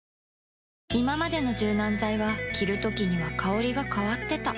いままでの柔軟剤は着るときには香りが変わってた